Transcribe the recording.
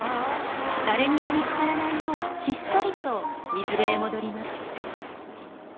誰にも見つからないようひっそりと水辺へ戻ります。